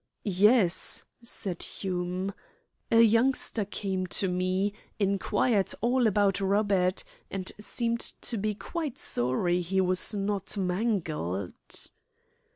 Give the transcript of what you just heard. "Yes," said Hume. "A youngster came to me, inquired all about Robert, and seemed to be quite sorry he was not mangled."